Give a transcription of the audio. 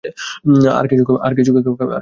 আর কিছু খাবে?